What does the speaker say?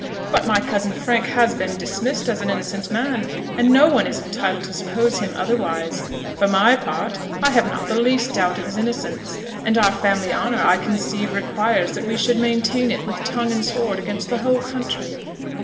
But my cousin Frank has been dismissed as an innocent man, and no one is entitled to suppose him otherwise. For my part, I have not the least doubt of his innocence; and our family honour, I conceive, requires that we should maintain it with tongue and sword against the whole country."